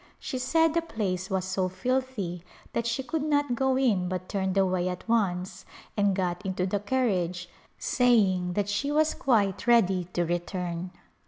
She said the place was so filthy that she could not go in but turned away at once and got into the carriage saying that she was quite ready to return.